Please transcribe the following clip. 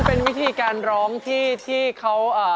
โฮลาเลโฮลาเล